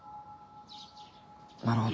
なるほど。